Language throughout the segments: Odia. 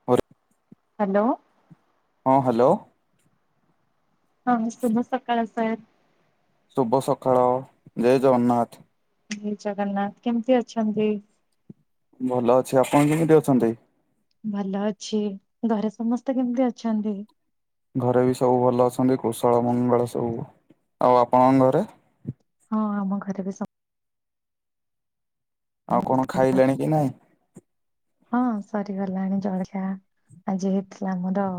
[inaudible] ହାଲୋ ହଁ ହାଲୋ ହଁ ଶୁଭ ସକାଳ ସାର। ଶୁଭ ସକାଳ, ଜୟ ଜଗନ୍ନାଥ। ଜୟ ଜଗନ୍ନାଥ, କେମିତି ଅଛନ୍ତି? ଭଲ ଅଛି, ଆପଣ କେମିତି ଅଛନ୍ତି? ଭଲ ଅଛି। ଘରେ ସମସ୍ତେ କେମିତି ଅଛନ୍ତି? ଘରେ ବି ସବୁ ଭଲ ଅଛନ୍ତି, କୁଶଳ ମଙ୍ଗଳ ସବୁ, ଆଉ ଆପଣଙ୍କ ଘରେ? ହଁ ଆମ ଘରେ ବି ସ ଆଉ କଣ ଭଲ ଅଛି ଖାଇଲେଣି କି ନାଇଁ? ହଁ ସରିଗଲାଣି ଜଳଖିଆ, ଆଜି ହେଇଥିଲା ଆମର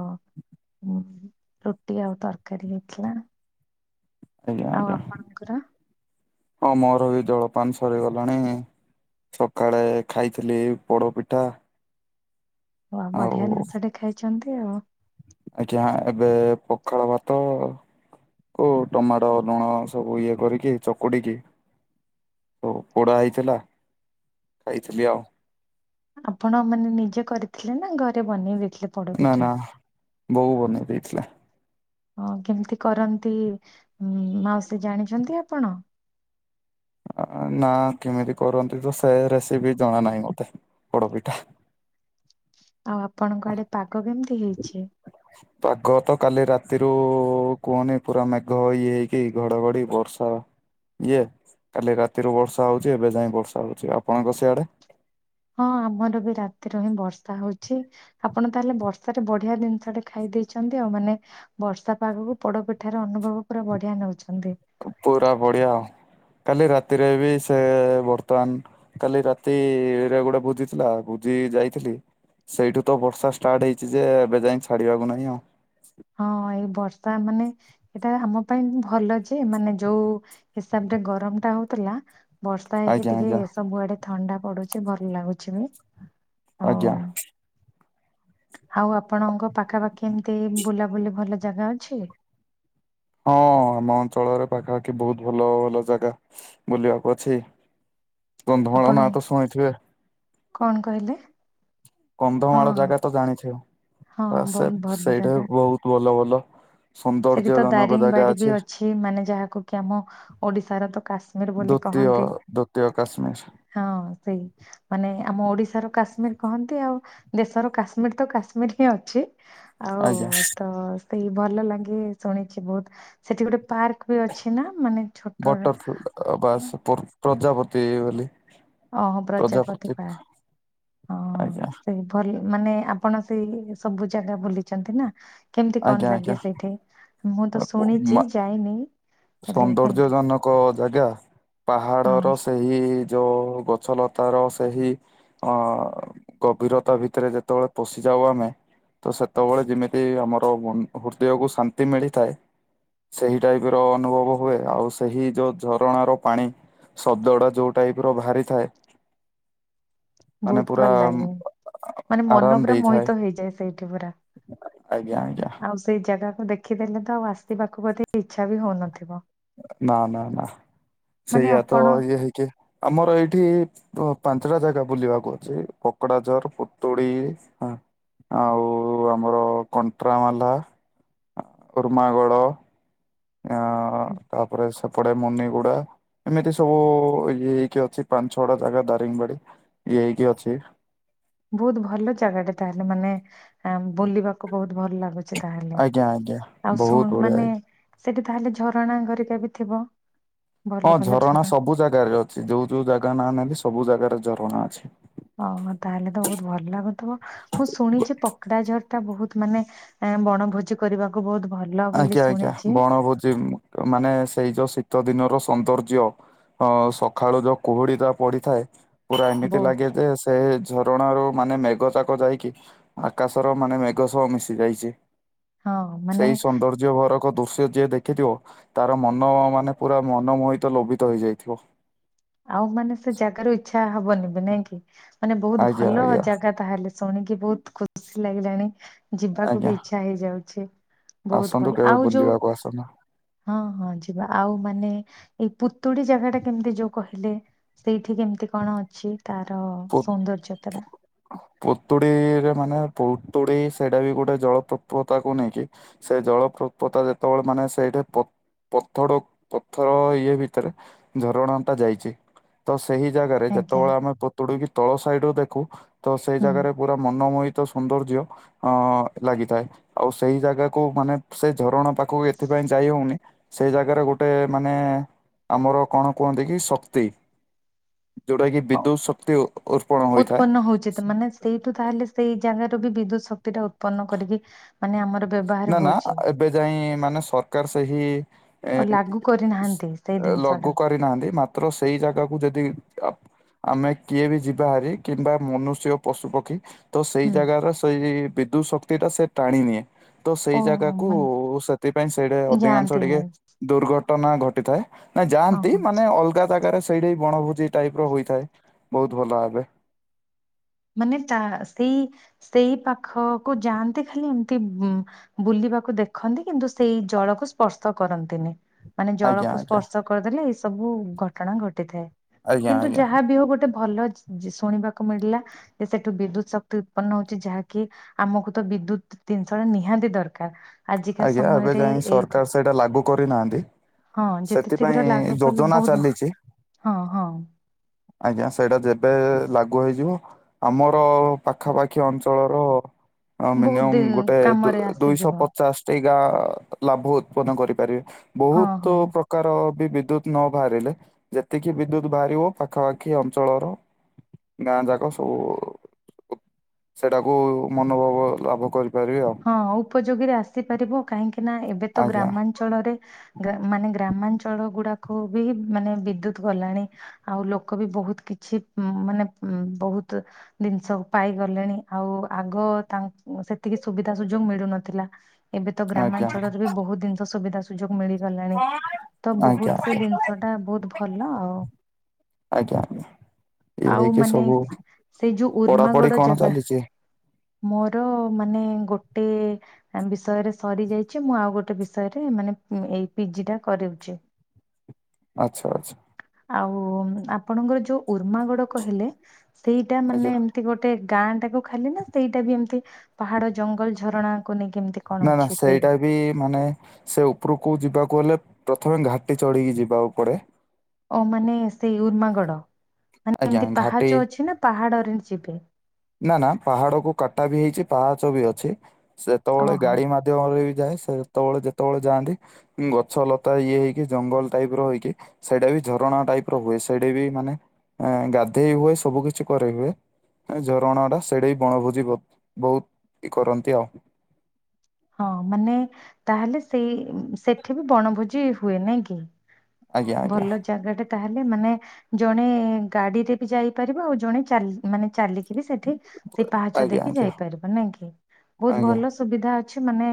ହୁଁ ରୁଟି ଆଉ ତରକାରୀ ହେଇଥିଲା। ଆଜ୍ଞା। ଆଉ ଆଜ୍ଞା ଆପଣଙ୍କର? ହଁ ମୋର ବି ଜଳପାନ ସରିଗଲାଣି ସକାଳେ ଖାଇଥିଲି ପୋଡ ପିଠା। ଆ, ବଢିଆ ଜିନିଷ ଟେ ଖାଇଛନ୍ତି ଆଉ। ଆଜ୍ଞା, ଏବେ ପଖାଳ ଭାତ ଓ, ଟମାଟୋ ଲୁଣ ସବୁ ଇଏ କରିକି ଚକୁଡ଼ିକି ତଉ ପୋଡ଼ା ହେଇଥିଲା, ଖାଇଥିଲି ଆଉ ଆପଣ ମାନେ ନିଜେ କରିଥିଲେ ନା, ଘରେ ବନେଇ ଦେଇଥିଲେ? ନା ପୋଡପିଠା? ନା, ବୋଉ ବନେଇ ଦେଇଥିଲା। ହଁ କେମିତି କରନ୍ତି ମାଉସୀ ଜାଣିଛନ୍ତି ଆପଣ? ନା କେମିତି କରନ୍ତି ତ ସେ ରେସିପି ଜଣା ନାହିଁ ମତେ ପୋଡ ପିଠା। ଆଉ ଆପଣଙ୍କ ଆଡେ ପାଗ କେମିତି ହେଇଛି? [inaudible] ପାଗ ତ କାଲି ରାତିରୁ କୁହନି ପୁରା ମେଘ ଇଏ ହେଇକି ଘଡଘଡି ବର୍ଷା ଇଏ କାଲି ରାତିରୁ ବର୍ଷା ହଉଚି ଏବେ ଯାଇ ବର୍ଷା ହଉଚି ଆପଣଙ୍କ ସିଆଡେ? ହଁ ଆମର ବି ରାତିରେ ହିଁ ବର୍ଷା ହଉଛି ଆପଣ ତାହେଲେ ବର୍ଷାରେ ବଢିଆ ଜିନିଷଟେ ଖାଇ ଦେଇେଇଛନ୍ତି ଆଉ ମାନେ ବର୍ଷା ପାଗକୁ ପୋଡପିଠାର ଅନୁଭବ ପୁରା ବଢିଆ ନେଉଛନ୍ତି। ପୁରା ବଢିଆ ଆଉ କାଲି ରାତିରେ ବି ସେ ବର୍ତ୍ତମାନ କାଲି ରାତିରେ ଗୋଟେ ଭୋଜିଥିଲା ବୁଜି ଯାଇଥିଲି। ସେଇଠୁ ତ ବର୍ଷା ଷ୍ଟାର୍ଟ ହେଇଛି ଯେ ଏବେ ଯାଇ ଛାଡ଼ିବାକୁ ନାହିଁ ଆଉ। ହଁ ଏଇ ବର୍ଷା ମାନେ ଏଇଟା ଆମ ପାଇଁ ଭଲ ଯେ ମାନେ ଯୋଉ ହିସାବ ରେ ଗରମ ଟା ହଉଥିଲା ବର୍ଷା ହେଇକି ଆଜ୍ଞା ଟିକେ ଆଜ୍ଞା। ସବୁଆଡେ ଥଣ୍ଡା ପଡୁଛି ଭଲ ଲାଗୁଛି ବି। ଆଉ ଆଜ୍ଞା। ଆଉ ଆପଣଙ୍କ ପାଖାପାଖି ଏମିତି ବୁଲାବୁଲି ଭଲ ଜାଗା ଅଛି? ହଁ ଆମ ଅଞ୍ଚଳରେ ପାଖାପାଖି ବହୁତ ଭଲ ଭଲ ଜାଗା। ବୁଲିବାକୁ ଅଛି କନ୍ଧମାଳ ଆପଣ ନାଁ ତ ଶୁଣିଥିବେ? କଣ କହିଲେ? ହଁ କନ୍ଧମାଳ ଜାଗା ତ ଜାଣିଥିବେ ହଁ ବା ହଁ ସେ ବହୁତ ଭଲ ସେଇଠେ ଜାଗା ବହୁତୁ ଭଲ ଭଲ ସେଠି ସୌନ୍ଦର୍ଯ୍ୟ ତ ଜନକ ଦାରିଙ୍ଗ ଜାଗା ବାଡି ବି ଅଛି ମାନେ ଯାହାକୁ କି ଆମ ଓଡିଶାର ତ କାଶି ଦ୍ଵିତୀୟ ଦ୍ଵିତୀୟ କାଶ୍ମୀର। ହଁ ସେଇ ମାନେ ଆମ ଓଡିଶାର କାଶ୍ମୀର କହନ୍ତି ଆଉ ଦେଶର କାଶ୍ମୀର ତ କାଶ୍ମୀର ହିଁ ଅଛି। ଆଜ୍ଞା। ଆଉ ତ ସେଇ ଭଲ ଲାଗେ ଶୁଣିଛି ବହୁତ ସେଠି ଗୋଟେ ପାର୍କ ବି ଅଛି ନା ମାନେ ଛୋଟ ବଟର ଫ୍ଲ ବା ପ୍ରଜାପତି ବୋଲି ଓହୋ ପ୍ରଜାପତି ପା ହଁ। ଆଜ୍ଞା ସବୁ ଭଲ ମାନେ ଆପଣ ସେଇ ସବୁ ଜାଗା ବୁଲିଛନ୍ତି ନା? କେମିତି ଆଜ୍ଞା କଣ ଆଜ୍ଞା ଲାଗେ ସେଇଠି ମୁଁ ତ ମା ଶୁଣିଛି ଯାଇନି। ହେଲେ ସୌନ୍ଦର୍ଯ୍ୟ କେମିତି ଜନକ ଜାଗା ହଁ ପାହାଡର ସେଇ ଏହିଇ ଯୋଉ ଗଛଲତାର ସେହି ଅ ଗଭୀରତା ଭିତରେ ଯେତେବେଳେ ପଶିଯାଉ ଆମେ ତ ସେତେବେଳେ ଯେମିତି ଆମର ହୃଦୟକୁ ଶାନ୍ତି ମିଳିଥାଏ ସେଇ ଟାଇପି ତ ଅନୁଭବ ହୁଏ ଆଉ ସେହି ଯୋଉ ଝରଣାର ପାଣି ଶବ୍ଦଟା ଯୋଉ ଟାଇପି ର ବାହାରିଥାଏ ମାନେ ବହୁତ ପୁରା ଭଲ ଲାଗେ। ମାନେ ମନ ଆରାମ ପୁରା ଦେଇଥାଏ ମୋହିତ ହେଇଯାଏ ସେଇଠି ପୁରା ଆଜ୍ଞା ଆଜ୍ଞା ଆଉ ସେଇ ଜାଗାକୁ ଦେଖିଦେଲେ ତ ଆଉ ଆସିବାଖକୁ ବୋଧେ ଇଚ୍ଛା ବି ହଉନଥିବ। ନା ନା ନା ମାନେ ସେଇଆ ତ ଆପଣ ଇଏ ହେଇକି ଆମର ଏଇଠି ତ ପାଞ୍ଚଟା ଜାଗା ବୁଲିବାକୁ ଅଛି ପୋକଡାଝର, ପୁତୁଡି ହଁ ଆଉ ଆମର କଣ୍ଟ୍ରାମାଲା, ଉର୍ମାଗଡ ଅ ତାପରେ ସବ ପଡେ ମୁନିଗୁଡା ଏମିତି ସବୁ ଇଏ ହେଇକି ଅଛି ପାଞ୍ଚ ଛଅ ଟା ଜାଗା ଦାରିଙ୍ଗବାଡି ଇଏ ହେଇକି ଅଛି। ବହୁତ ଭଲ ଜାଗାଟା ତାହେଲେ ମାନେ ବୁଲିବାକୁ ବହୁତ ଭଲ ଲାଗୁଚି। ତାହେଲେ ଆଜ୍ଞା ଆଜ୍ଞା ଆଉ ବହୁତ ଶୁଣ ବଢିଆ ମାନେ ହେଇ ସେଠି ତାହେଲେ ଝରଣା ଗରିକା ବି ଥିବ? ଭଲ ହଁ ଭଲ ଝରଣା ସବୁ ଜାଗାରେ ଅଛି ଯୋଉ ଯୋଉ ଜାଗା ନା ନେଲି ସବୁ ଜାଗାରେ ଝରଣା ଅଛି। ଓ ତାହେଲେ ତ ବହୁତ ଭଲ ଲାଗୁଥିବ। ମୁଁ ଶୁଣିଛି ପକଡା ଝର ଟା ବହୁତ ମାନେ ବଣଭୋଜି କରିବାକୁ ବହୁତ ଭଲ ବୋଲି ଶୁଣିଛି। ହଭୋ ଜିମୁ ମାନେ ସେଇ ଯୋଉ ଶୀତ ଦିନର ସୌନ୍ଦର୍ଯ୍ୟ ହଁ ସକାଳୁ ଯୋଉ କୁହୁଡି ତା ପଡିଥାଏ ପୁରା ଏମିତି ବୋ ଲାଗେ ଯେ ସେ ଝରଣାରୁ ମାନେ ମେଘଯାକ ଯାଇକି ଆକାଶର ମାନେ ମେଘ ସହ ମିଶି ଯାଇଛି। ହଁ ମାନେ ର୍ଯ୍ୟ ଭରକ ଦୃଶ୍ୟ ଯିଏ ଦେଖିଥିବ ତାର ମନ ମାନେ ପୁରା ମନମୋହିତ ଲୋଭିତ ହେଇଯାଇଥିବ। ଆଉ ମାନେ ସେ ଜାଗାରୁ ଇଚ୍ଛା ହବନି ବି ନାଇଁ କି ମାନେ ମାନେ ବହୁତ ଆଜ୍ଞା ଭଲ ଆଜ୍ଞା ଜାଗା ତାହେଲେ ଶୁଣିକି ବହୁତ ଖୁସି ଲାଗିଲାଣି ଯିବାକୁ ଆଜ୍ଞା ବି ଇଛା ହେଇଯାଉଛି। ବହୁତ ଆସନ୍ତୁ ଭଲ କେବେ ଆଉ ଯୋଉ ବୁଲିବାକୁ ଆସନ୍ତୁ। ହଁ ହଁ ଯିବା ଆଉ ମାନେ ଏଇ ପୁତୁଡି ଜାଗା ଟା କେମିତି ଯୋଉ କହିଲେ ସେଇଠି କେମିତି କଣ ଅଛି ତାର ସୌନ୍ଦର୍ଯ୍ୟତା ଟା ପୁତୁଡିରେ ମାନେ ପୁତୁଡି ସେଇଟା ବି ଗୋଟେ ଜଳପ୍ରପତାକୁ ନେଇକି, ସେ ଜଳପତା ଯେତେବେଳେ ମାନେ ସେଇଠ ପ ପଥର ପଥର ଇଏ ଭିତରେ ଝରଣା ଟା ଯାଇଛି। ତ ସେଇ ଜାଗାରେ ଆଜ୍ଞା ଯେତେବେଳେ ଆମେ ପୋତୁଡୁ କିି ତଳ ସାଇଡ ରୁ ଦେଖୁ ତ ସେଇ ହୁଁ। ଜାଗାରେ ପୁରା ମନମୋହିତ ସୌନ୍ଦର୍ଯ୍ୟ। ଅ ଲାଗିଥାଏ ଆଉ ସେଇ ଜାଗାକୁ ମାନେ ସେ ଝରଣା ପାଖକୁ ଏଥିପାଇଁ ଯାଇ ହଉନି ସେଇ ଜାଗାରେ ଗୋଟେ ମାନେ ଆମର କଣ କୁହନ୍ତି କି ଶକ୍ତି। ଯୋଉଟା କିି ଅ, ବିଦ୍ୟୁତ ଶକ୍ତି ଉର୍ପଣ ହୋଇଥାଏ। ଉତ୍ପନ୍ନ ହଉଛି ତ ମାନେ ସେଇଠୁ ତାହେଲେ ସେଇ ଜାଗାରେ ବିଦ୍ୟୁତ ଶକ୍ତି ଟା ଉତ୍ପନ୍ନ କରିକି ମାନେ ଆମର ବ୍ୟବହାର ନା ନା ହଉଛି ଏବେ ଯାଇ ମାନେ ସରକାର ସେହି ଏ ଆଉ ଲାଗୁ କରିନାହାନ୍ତି ସେଇ ଜିନିଷ ଟା ଲଗୁ କରିନାହାନ୍ତି ମାତ୍ର ସେଇ ଜାଗାକୁ ଯଦି ଆମେ କିଏ ବି ଯିବା ହାରି କିମ୍ବା ମନୁଷ୍ୟ ପଶୁ ପକ୍ଷୀ ତ ସେଇ ହୁଁ ଜାଗାରେ ସେଇ ବିଦ୍ୟୁତ ଶକ୍ତି ଟା ସେ ଟାଣି ନିିଏ। ତ ସେଇ ଓହୋ ଜାଗାକୁ ମାନେ ସେଥିପାଇଁ ସେଇଟା ଅଧିକାଂଶ ଯାଆନ୍ତି ଟିକେ ନାଇଁ ଦୁର୍ଘଟଣା ଘଟିଥାଏ। ନାଇଁ ଯାଆନ୍ତି ଓହୋ ମାନେ ଅଲଗା ଜାଗାରେ ସେଇଠି ବଣଭୋଜି ଟାଇପ ର ହୋଇଥାଏ। ବହୁତ ଭଲ ଭାବେ। ମାନେ ତା ସେଇ ସେଇ ପାଖକୁ ଯାଆନ୍ତି ଖାଲି ଏମିତି ବୁଲିବାକୁ ଦେଖନ୍ତି କିନ୍ତୁ ସେଇ ଜଳକୁ ସ୍ପର୍ଶ କରନ୍ତିନି। ମାନେ ଆଜ୍ଞା ଜଳକୁ ଆଜ୍ଞା ସ୍ପର୍ଶ କରିଦେଲେ ଏଇ ସବୁ ଘଟଣା ଘଟିଥାଏ ଆଜ୍ଞା କିନ୍ତୁ ଆଜ୍ଞା ଯାହା ବି ହଉ ଗୋ ଟେ ଭଲ ଶୁଣିବାକୁ ମିଳିଲା ଯେ ସେଠୁ ବିଦ୍ୟୁତ ଶକ୍ତି ଉତ୍ପନ୍ନ ହଉଛି ଯାହାକି ଆମକୁ ତ ବିଦ୍ୟୁତ ଜିନିଷ ଟା ନିହାତି ଦରକାର। ଆଜିକା ଆଜ୍ଞା। ଏବେ ସମୟରେ ଯାଇ ଏଇଠି ସରକାର ସେଇଟା ଲାଗୁ କରିନାହାନ୍ତି। ହଁ ଯେତେ ଶୀଘ୍ର ଲାଗୁ ସେଥିପାଇଁ କଲେ ଯୋଜନା ବହୁତ ଚାଲିଛି। ହଁ ହଁ। ଆଜ୍ଞା। ସେଇଟା ଯେବେ ଲାଗୁ ହେଇଯିବ ଆମର ପାଖାପାଖି ଅଞ୍ଚଳର ଆ ବହୁତ ମିନିମମ୍ ଗୋଟେ କାମରେ ଦୁଇଶହ ଆସିଯିବ ପ ପଚାଶ ଟି ଗାଁ ଲାଭ ଉତ୍ପନ୍ନ କରିପାରିବେ ହଁ ବହୁତ ପ୍ର ହଁ। ପ୍ରକାର ବି ବିଦ୍ୟୁତ ନ ବାହାରିଲେ ଯେତିକି ବିଦ୍ୟୁତ ବାହାରିବ ପାଖାପାଖି ଅଞ୍ଚଳର ଗାଁ ଯାକ ସବୁ ସେଇଟାକୁ ମନୋଭାବ ଲାଭ କରିପାରିବେ ଆଉ। ହଁ ଉପଯୋଗୀରେ ଆସିପାରିବ କାହିଁକି ନା ଏବେ ତ ଆଜ୍ଞା ଗ୍ରାମାଞ୍ଚଳ ଞ୍ଚଳରେ ମାନେ ଗ୍ରାମାଞ୍ଚଳ ଗୁଡାକୁ ବି ମାନେ ବିଦ୍ୟୁତ ଗଲାଣି ଆଉ ଲୋକ ବି ବହୁତ କିଛି ମାନେ ବହୁତ ଜିନିଷ ପାଇଗଲେଣି ଆଉ ଆଗ ତାଙ୍କ ସେତିକି ସୁବିଧା ସୁଯୋଗ ମିଳୁନଥିଲା ଏବେ ତ ଆଜ୍ଞା ଗ୍ରାମାଞ୍ଚଳରେ ବି ବହୁତ ଜିନିଷ ସୁବିଧା ସୁ ସୁଯୋଗ ମିଳିଗଲାଣି ତ ଆଜ୍ଞା ବହୁତ ସେ ଜିନିଷ ଟା ବହୁତ ଭଲ ଆଉ ଆଜ୍ଞା ଆଜ୍ଞା। ଇଏ ଆଉ ହେଇକି ମାନେ ସବୁ ସେଇ ଯୋଉ [inaudible] ପଢାପଢି ଉର୍ମାଗଡ କଣ ଜାଗା ଚାଲିଛି? ମୋର ମାନେ ଗୋଟେ ବିଷୟରେ ସରି ଯାଇଛି। ମୁଁ, ଆଉ ଗୋଟେ ବିଷୟରେ ମାନେ ଏଇ ପିଜି ଟା କରାଉଛି। [inaudible] ଆଚଛା ଆଚଛା। ଆଉ ଆପଣଙ୍କର ଯୋଉ ଉର୍ମାଗଡ କହିଲେ। ସେଇଟା ଆଜ୍ଞା। ମାନେ ଏମିତି ଗୋଟେ ଗାଁ ଟାକୁ ଖାଲି ନା ସେଇଟା ବି ଏମିତି ପାହାଡ ଜଙ୍ଗଲ ଝରଣାକୁ ନେଇ ଏମିତି କଣ ନା ନା ଅଛି ସେଇ ସେଇଟା ବି ମାନେ ସେ ଉପରକୁ ଯିବାକୁ ହେଲେ, ପ୍ରଥମେ ଘାଟି ଚଢ଼ିକି ଯିବାକୁ ପଡ଼େ। ଓ ମାନେ ସେଇ ଉର୍ମାଗଡ। ମାନେ ଆଜ୍ଞା ଏମିତି ଘାଟି ପାହାଚ ଅଛି ନା ପାହାଡରେ ଯିବେ? ନା ନା ପାହାଡ କୁ କାଟା ବି ହେଇଛି ପାହାଚ ବି ଅଛି। ସେତେବେଳେ ଓହୋ ଗାଡି ମା ରେ ବି ଯାଏ ସେ ଯେତେବେଳେ ଯେତେବେଳେ ଯାଆନ୍ତି। ଗଛ ଲତା ଇଏ ହେଇକି ଜଙ୍ଗଲ ଟାଇପ ର ହେଇକି ସେଇଟା ବି ଝରଣା ଟାଇପ ର ହୁଏ। ସେଇଟା ବି ମାନେ ଗାଧେଇ ହୁଏ ସବୁ କିଛି କରେଇ ହୁଏ। ଝରଣାଟା ସେଇଟି ବଣଭୋଜି ବହୁ- ବହୁତ କରନ୍ତି ଆଉ। ହଁ, ମାନେ ତାହେଲେ ସେଇ-ସେଠି ବି ବଣଭୋଜି ହୁଏ ନାଇଁ କି? ଆଜ୍ଞା ଆଜ୍ଞା ଭଲ ଜାଗା ଟା ତାହେଲେ। ମାନେ ଜଣେ ଗାଡିରେ ବି ଯାଇପାରିବ ଆଉ ଜଣେ ଚାଲି ମାନେ ଚାଲି ସେଠି ସେଇ ପାହାଚ ଆଜ୍ଞା ଦେଇକି ଆଜ୍ଞା ଯାଇପାରିବ ନାଇଁ କି, ବହୁତ ଆଜ୍ଞା ଭଲ ସୁବିଧା ଅ ଅଛି। ମାନେ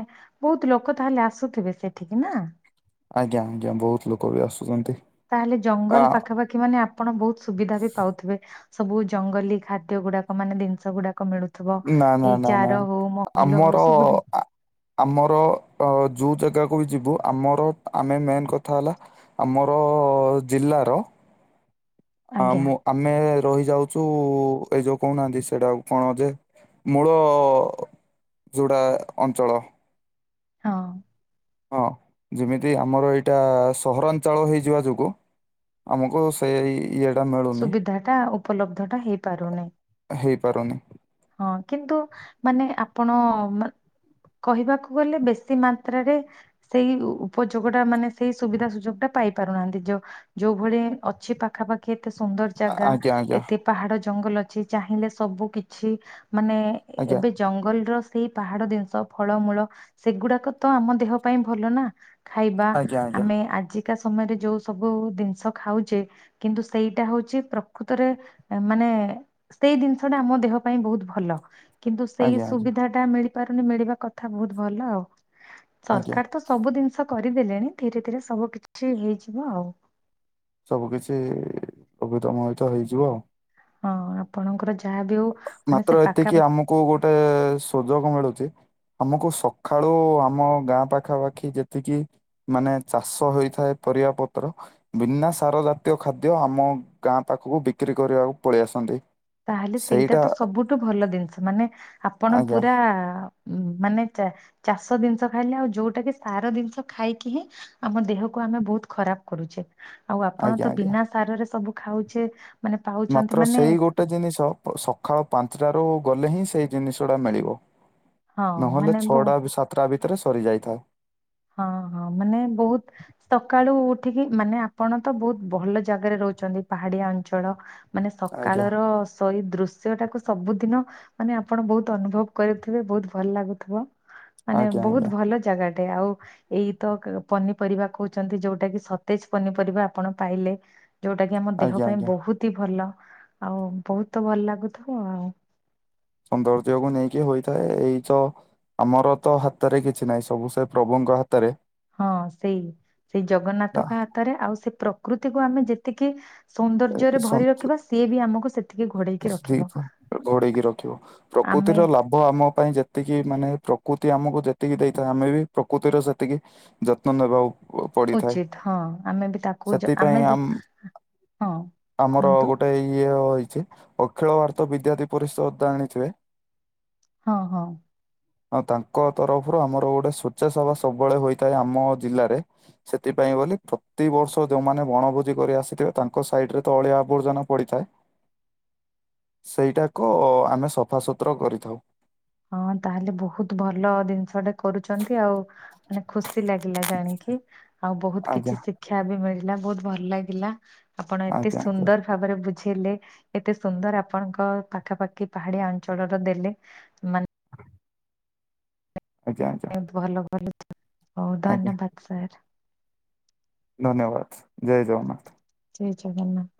ବହୁତ ଲୋକ ତାହେଲେ ଆସୁଥିବେ ସେଠିକି ନା? ଆଜ୍ଞା ଆଜ୍ଞା ବହୁତ ଲୋକ ବି ଆସୁଛନ୍ତି। ତାହେଲେ ଜଙ୍ଗଲ ଆ ପାଖାପାଖି ମାନେ ଆପଣ ବହୁତ ସୁବିଧା ବି ପାଉଥିବେ। ସବୁ ଜଙ୍ଗଲୀ ଖାଦ୍ୟ ଗୁଡାକ ମାନେ ଜିନିଷ ଗୁଡାକ ମିଳୁ ଥିବ। ନା ନା ଏଇ ନା ନା ଚାର ହଉ ମହଲ ଆମର ହଉ ସବୁଦିନ ଆ- ଆମର ଯୋଉ ଜାଗାକୁ ବି ଯିବୁ ଆମର ଆମେ ମେନ୍ କଥା ହେଲା ଆମର ଜିଲ୍ଲାର ଆ ଆଜ୍ଞା ମୁଁ ଆମେ ରହି ଯାଉଛୁ। ଏଇ ଯୋଉ କହୁନାହାନ୍ତି ସେଇଟା କଣ ଯେ ମୂଳ [inaudible] ଯୋଉଟା ଅଞ୍ଚଳ। ହଁ। ହଁ, ଯେମିତି ଆମର ଏଇଟା ସହରାଞ୍ଚଳ ହେଇଯିବା ଯୋଗୁ ଆମକୁ ସେଇଇ ଇଏ ସୁବିଧା ଟା ଉପଲବ୍ଧ ଟା ହେଇପାରୁନି। ହେଇପାରୁନି। ହଁ, କିନ୍ତୁ ମାନେ ଆପଣ କହିବାକୁ ଗଲେ। ବେଶୀ ମାତ୍ରାରେ ସେଇ ଉପଯୋଗ ଟା ମାନେ ସେଇ ସୁବିଧା ସୁଯୋଗ ଟା ପାଇ ପାରୁନାହାନ୍ତି ଯଉ ଯୋଉ ଭଳି ଅଛି ପାଖାପାଖ୍ ଏତେ ସୁନ୍ଦର ଆ- ଜାଗା। ଆଜ୍ଞା ଆଜ୍ଞା ଏତେ ପାହାଡ ଜଙ୍ଗଲ ଅଛି। ଚାହିଁଲେ ସବୁ କିଛି ଛି, ମାନେ ଆଜ୍ଞା ଏବେଯ ଜଙ୍ଗଲର ସେଇ ପାହାଡ ଜିନିଷ ଫଳମୂଳ ସେଗୁଡାକ ତ ଆମ ଦେହ ପାଇଁ ଭଲ ନା। ଖାଇବା ଆଜ୍ଞା ଆଜ୍ଞା ଆମେ ଆଜିକା ସମୟରେ ଯୋଉ ସବୁ ଜିନିଷ ଖାଉଛେ କିନ୍ତୁ ସେଇଟା ହଉଛି ପ୍ରକୃତରେ ମାନେ ସେଇ ଜିନିଷ ଟା ଆମ ଦେହ ପାଇଁ ବହୁତ୍ ଭଲ କିନ୍ତୁ ସେ ଆଜ୍ଞା ଆଜ୍ଞା ସୁବିଧାଟା ମିଳିପାରୁନି ମିଳିବା କଥା ବହୁତ ଭଲ ଆଉ ଆଜ୍ଞା ସରକାର ତ ସବୁ ଜିନିଷ କରିଦେଲେଣି ଧୀରେ ଧୀରେ ସବୁ କିଛି ହେଇଯିବ ଆଉ। ସବୁ କିଛି ଅବତମ ହତ ହେଇଯିବ ଆଉ। ହଁ, ଆପଣଙ୍କର ଯାହା ବି ହଉ ମାନେ ସେ ପାଖାପାଖ କୁ ଗୋଟେ ସୁଯୋଗ ମିଳୁଛି। ଆମକୁ ସକାଳୁ ଆମ ଗାଁ ପାଖାପାଖି ଯେତିକି ମାନେ ଚାଷ ହେଇଥାଏ ପରିବା ପତ୍ର। ବିନା ସାର ଜାତୀୟ ଖାଦ୍ୟ ଆମ ଗାଁ ପାଖକୁ ବିକ୍ରି କରିବାକୁ ପଳେଇ ଆସନ୍ତି। ତାହେଲେ ସେଇଟା ତ ସବୁଠୁ ଭଲ ଜିନିଷ ମାନେ ଆପଣ ଆଜ୍ଞା ପୁରା ମାନେ ଚ ଚାଷ ଜିନିଷ ଖାଇଲେ ଆଉ ଯୋଉଟା କି ସାର ଜିନିଷ ଖାଇକି ହିଁ ଆମ ଦେହକୁ ଆମେ ବହୁତ ଖରାପ କରୁଛେ। ଆଉ ଆପଣ ଆଜ୍ଞା ତ ଆଜ୍ଞା ବିନା ସାରରେ ସବୁ ଖାଉଛେ ମାନେ ପାଉଛନ୍ତି ମାତ୍ର ମାନେ ସେଇ ଗୋଟେ ଜିନିଷ ସକାଳ ପାଞ୍ଚଟାରୁ ଗଲେ ହିଁ ସେଇ ଜିନିଷ ଟା ମିଳିବ। ହଁ ନହେଲେ ମାନେ ବହୁ ଛଅଟା ସାତଟା ଭିତରେ ସରି ଯାଇଥାଏ। ହଁ ହଁ ମାନେ ବହୁତ ସକାଳୁ ଉଠିକି ମାନେ ଆପଣ ତ ବହୁତ ଭଲ ଜାଗାରେ ରହୁଛନ୍ତି ପାହାଡିଆ ଅଞ୍ଚଳ ମାନେ ଆଜ୍ଞା ସକାଳ ର ସେଇ ଦୃଶ୍ୟ ଟାକୁ ସବୁଦିନ ମାନେ ଆପଣ ବହୁତ ଅନୁଭବ କରଥିବେ ବହୁତ ଭଲ ଲାଗୁଥିବ। ମାନେ ଆଜ୍ଞା ଆଜ୍ଞା ବହୁତ ଭଲ ଜାଗାଟେ ଆଉ ଏଇ ତ ପନିପରିବା କହୁଛନ୍ତି। ଯୋଉଟା କି ସତେଜ ପନିପରିବା ଆପଣ ପାଇଲେ। ଯୋଉଟା କି ଆମ ଦେହ ଆଜ୍ଞା ପାଇଁ ଆଜ୍ଞା ବହୁତ ହି ଭଲ ଆଉ ବହୁତ ଭଲ ଲାଗୁଥିବ ଆଉ। ସୌନ୍ଦର୍ଯ୍ୟକୁ ନେଇକି ହୋଇଥାଏ ଏଇତ ଆମର ତ ହାତରେ କିଛି ନାହିଁ ସବୁ ସେ ପ୍ରଭୁଙ୍କ ହାତରେ। ହଁ ସେଇ ସେଇ ଆ, ଜଗନ୍ନାଥଙ୍କ ହାତରେ ଆଉ ସେ ପ୍ରକୃତିକୁ ଆମେ ଯେତିକି ସୌନ୍ଦର୍ଯ୍ୟରେ ସଂ- ଭରି ରଖିବା ସିଏ ବି ଆମକୁ ସେ [inaudible] ଘୋଡେଇକି ରଖିବ ଆମେ ପ୍ରକୃତିର ଲାଭ ଭ ଆମ ପାଇଁ ଯେତିକି ମାନେ ପ୍ରକୃତି ଆମକୁ ଯେତିକି ଦେଇଥାଏ ଆମେ ବି ପ୍ରକୃତିର ସେତିକି ଯତ୍ନ ନେବା ଆଉ ଉଚିତ ହଁ ଆମେ ବି ତାକୁ ଯ ସେଥିପାଇଁ ଆମେ ଆମ ଯେ ହଁ ଆମର କୁହନ୍ତୁ ଗୋଟେ ଇଏ ହେଇଛି ଅଖିଳ ଭାରତ ବିଦ୍ୟାର୍ଥୀ ପରିଷଦ ଜାଣିଥିବେ। ହଁ ହଁ ହ ତାଙ୍କ ତରଫରୁ ଆମର ଗୋଟେ ସ୍ଵେଚ୍ଛାସେବା ସବୁବେଳେ ହୋଇଥାଏ ଆମ ଜିଲ୍ଲାରେ। ସେଥିପାଇଁ ବୋଲି ପ୍ରତି ବର୍ଷ ଯୋଉମାନେ ବଣଭୋଜି କରି ଆସିଥିବେ ତାଙ୍କ ସାଇଡ ରେ ତ ଅଳିଆ ଆବର୍ଜନା ପଡିଥାଏ। ସେଇଟାକୁ ଆମେ ସଫାସତୁର କରିଥାଉ। ହଁ ତାହେଲେ ବହୁତ ଭଲ ଜିନିଷଟେ କରୁଛନ୍ତି ଆଉ। ମାନେ ଖୁସି ଲାଗିଲା ଜାଣିକି। ଆଉ ବହୁତ ଆଜ୍ଞା କିଛି ଶିକ୍ଷା ବି ମିଳିଲା ବହୁତ ଭଲ ଲାଗିଲା ଆପଣ ଏତେ ଆଜ୍ଞା ଆଜ୍ଞା ସୁନ୍ଦର ଭାବରେ ବୁଝେଇଲେ ଏତେ ସୁନ୍ଦର ଆପଣଙ୍କ ପାଖାପାଖି ପାହାଡିଆ ଅଞ୍ଚଳର ଦେଲେ। ମାନ ଆଜ୍ଞା ଆଜ୍ଞା ମାନେ ଭଲ ଭଲ ହଉ ଆଜ୍ଞା ଧନ୍ୟବାଦ ସାର୍। ଧନ୍ୟବାଦ ଜୟ ଜଗନ୍ନାଥ। ଜୟ ଜଗନ୍ନାଥ।